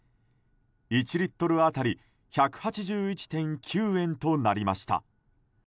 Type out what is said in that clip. １リットル当たり１８１．９円となりました。